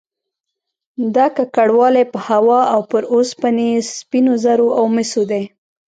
دا ککړوالی په هوا او پر اوسپنې، سپینو زرو او مسو دی